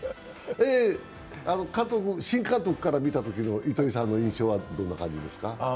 新監督から見たときの糸井さんの印象はどんな感じですか？